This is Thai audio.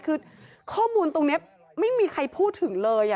คือข้อมูลตรงนี้ไม่มีใครพูดถึงเลย